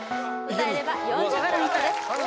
歌えれば４０ポイントです